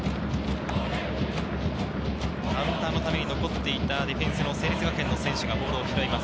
カウンターのために残っていたディフェンスの成立学園の選手がボールを拾います。